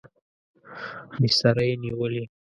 بستره یې نیولې.